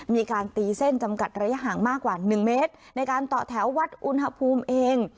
มีการตีเส้นจำกัดระยะห่างมากกว่า๑เมตรในการต่อแถววัดอุณหภูมิเอง